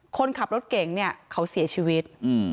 คนขับรถเก๋งเขาเสียชีวิต